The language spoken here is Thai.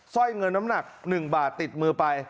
ร้อยเงินน้ำหนัก๑บาทติดมือไป